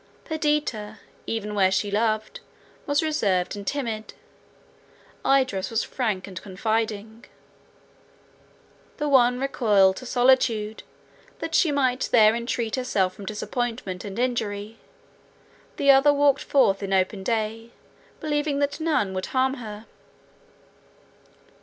Perdita, even where she loved, was reserved and timid; Idris was frank and confiding. The one recoiled to solitude, that she might there entrench herself from disappointment and injury; the other walked forth in open day, believing that none would harm her.